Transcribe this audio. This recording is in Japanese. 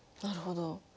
なるほど。